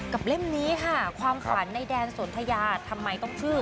เล่มนี้ค่ะความฝันในแดนสนทยาทำไมต้องชื่อ